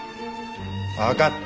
わかった。